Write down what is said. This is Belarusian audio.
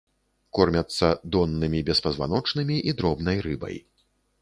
Кормяцца доннымі беспазваночнымі і дробнай рыбай.